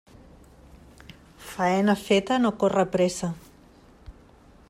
Faena feta no corre pressa.